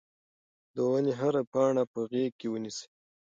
د ونې هره پاڼه په غېږ کې ونیسئ.